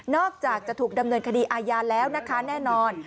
อกจากจะถูกดำเนินคดีอาญาแล้วนะคะแน่นอน